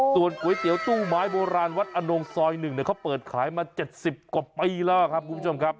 ส่วนก๋วยเตี๋ยวตู้ไม้โบราณวัดอนงซอย๑เขาเปิดขายมา๗๐กว่าปีแล้วครับคุณผู้ชมครับ